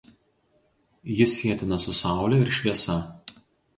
Ji sietina su saule ir šviesa.